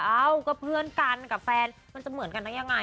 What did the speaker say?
เอ้าก็เพื่อนกันกับแฟนมันจะเหมือนกันได้ยังไง